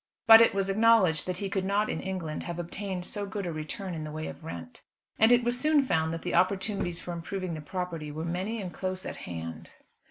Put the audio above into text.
But it was acknowledged that he could not in England have obtained so good a return in the way of rent. And it was soon found that the opportunities for improving the property were many and close at hand.